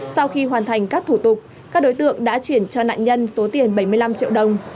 sau khi hoàn thành các thủ tục các đối tượng đã chuyển cho nạn nhân số tiền bảy mươi năm triệu đồng